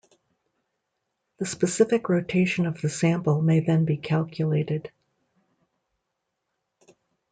The specific rotation of the sample may then be calculated.